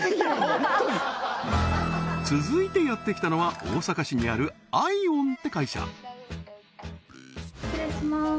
ホントに続いてやってきたのは大阪市にあるアイオンって会社失礼します